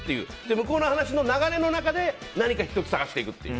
向こうの話の流れの中で何か１つ探していくっていう。